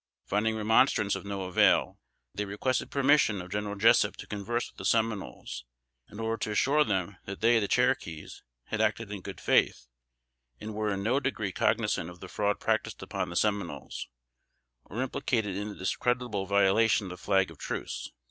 Finding remonstrance of no avail, they requested permission of General Jessup to converse with the Seminoles, in order to assure them that they, the Cherokees, had acted in good faith, and were in no degree cognizant of the fraud practiced upon the Seminoles, or implicated in the discreditable violation of the flag of truce.